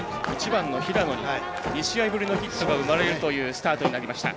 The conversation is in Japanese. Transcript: １番の平野に、２試合ぶりのヒットが生まれるというスタートになりました。